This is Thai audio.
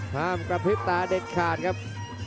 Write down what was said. กระพริบตาเด็ดขาดครับ